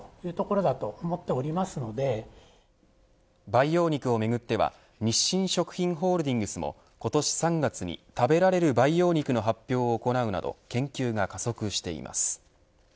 培養肉をめぐっては日清食品ホールディングスも今年３月に食べられる培養肉の発表を行うなど研究が加速しています。